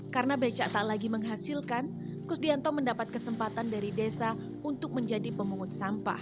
karena becak tak lagi menghasilkan kusdianto mendapat kesempatan dari desa untuk menjadi pemungut sampah